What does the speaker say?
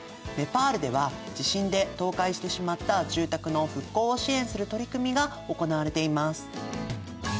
ネパールでは地震で倒壊してしまった住宅の復興を支援する取り組みが行われています。